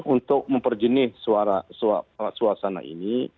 untuk memperjenis suara suasana ini